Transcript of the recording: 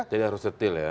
jadi harus detail ya